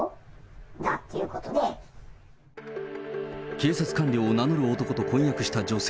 警察官僚を名乗る男と婚約した女性。